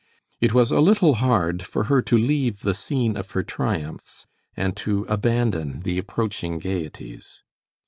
It was a little hard for her to leave the scene of her triumphs and to abandon the approaching gayeties.